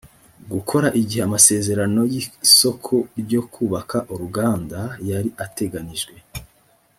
gukora igihe amasezerano y isoko ryo kubaka uruganda yari ateganirijwe